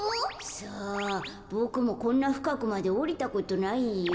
さあボクもこんなふかくまでおりたことないよ。